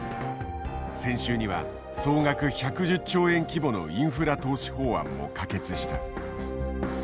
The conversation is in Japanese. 先週には総額１１０兆円規模のインフラ投資法案も可決した。